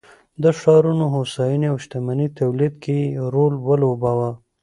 د ښارونو هوساینې او شتمنۍ تولید کې یې رول ولوباوه